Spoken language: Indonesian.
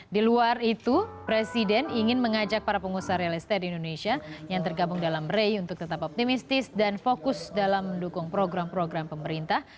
di luar itu presiden ingin mengajak para pengusaha real estate di indonesia yang tergabung dalam rei untuk tetap optimistis dan fokus dalam mendukung program program pemerintah